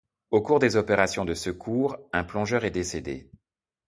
Au cours des opérations de secours, un plongeur est décédé.